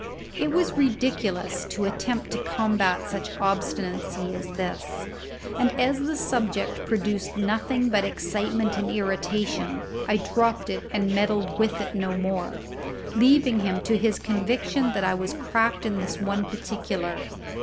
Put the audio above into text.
It was ridiculous to attempt to combat such obstinacy as this, and as the subject produced nothing but excitement and irritation, I dropped it and meddled with it no more, leaving him to his conviction that I was cracked in this one particular.